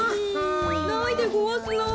ないでごわすな。